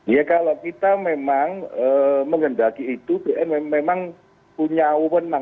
ya kalau kita memang mengendaki itu pn memang punya kewenangan